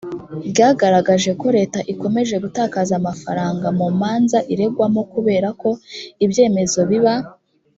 ryagaragaje ko leta ikomeje gutakaza amafaranga mu manza iregwamo kubera ko ibyemezo biba